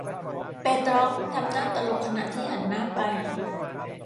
เปตรอฟทำหน้าตลกขณะที่หันหน้าไป